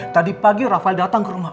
tadi pagi raffal datang ke rumah om